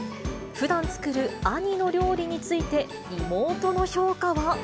ふだん作る兄の料理について、妹の評価は。